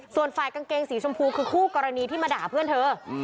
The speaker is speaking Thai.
ส่วนฝ่ายกางเกงสีชมพูคือคู่กรณีที่มาด่าเพื่อนเธอ